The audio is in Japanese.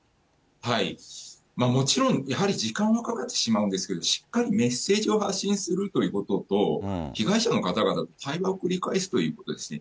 もちろんやはり時間はかかってしまうんですけれども、しっかりメッセージを発信するということと、被害者の方々と対話を繰り返すということですね。